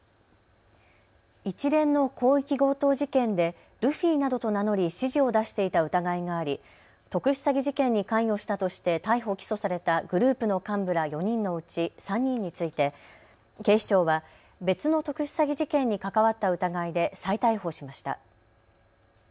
一連の広域強盗事件でルフィなどと名乗り指示を出していた疑いがあり、特殊詐欺事件に関与したとして逮捕・起訴されたグループの幹部ら４人のうち３人について警視庁は別の特殊詐欺事件に関わった疑いで再逮捕しました。